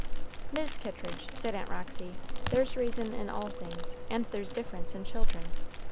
"Mis' Kittridge," said Aunt Roxy, "there's reason in all things, and there's difference in children.